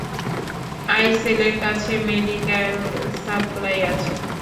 আইসেলের কাছে medical supply আছে!